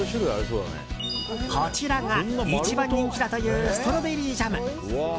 こちらが一番人気だというストロベリージャム。